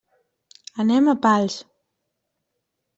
Anem a Pals.